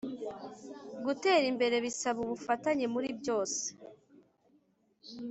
Gutera imbere bisaba ubufatanye muri byose